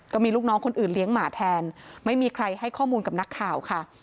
ก็มีลูกน้องคนอื่นเลี้ยงหมาแทนไม่มีใครให้ข้อมูลกับนักข่าวค่ะ